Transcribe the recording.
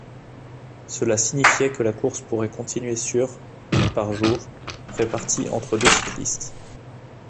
Cela signifiait que la course pourrait continuer sur par jour, réparties entre deux cyclistes.